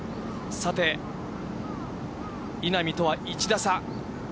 さて、稲見とは１打差。